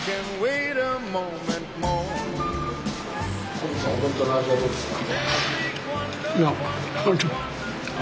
金野さんお弁当の味はどうですか？